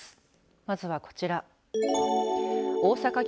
まずはこちら。